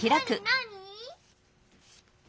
なに？